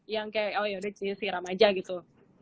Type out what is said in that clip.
yang kayak oh yaudah siram aja gitu